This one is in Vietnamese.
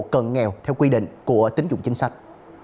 các hộ cần nghèo theo quy định của tính dụng chính sách